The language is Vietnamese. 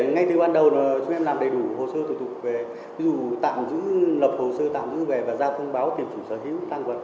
ngay từ ban đầu chúng em làm đầy đủ hồ sơ tổ tục về ví dụ tạm giữ lập hồ sơ tạm giữ về và giao thông báo tiền chủ sở hữu tăng quân